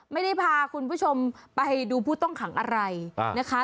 ไม่ได้พาคุณผู้ชมไปดูผู้ต้องขังอะไรนะคะ